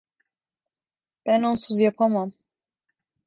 Ben onsuz yapamam…